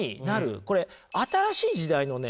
これ新しい時代のね